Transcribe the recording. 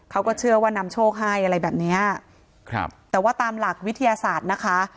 เขาก็เชื่อว่านำโชคให้อะไรแบบเนี้ยครับแต่ว่าตามหลักวิทยาศาสตร์นะคะ